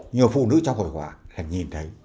nhiều phụ nữ trong hội họa hẳn nhìn thấy